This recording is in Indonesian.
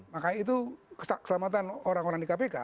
makanya itu keselamatan orang orang di kpk